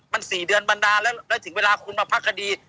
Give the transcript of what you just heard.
มัน๔เดือนมันนานแล้วแล้วถึงเวลาคุณมาพักคดี